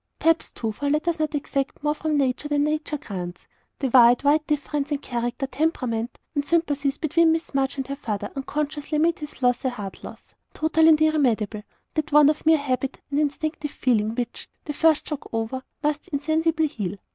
Perhaps, too for let us not exact more from Nature than Nature grants the wide, wide difference in character, temperament, and sympathies between Miss March and her father unconsciously made his loss less a heart loss, total and irremediable, than one of mere habit and instinctive feeling, which, the first shock over, would insensibly heal.